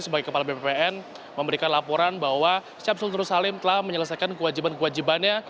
sebagai kepala bpn memberikan laporan bahwa syamsul nur salim telah menyelesaikan kewajiban kewajibannya